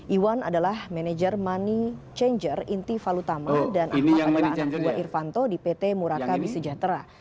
iwan adalah manajer money changer inti falutama dan ahmad adalah anak anak iwa irvanto di pt muraka bisejatera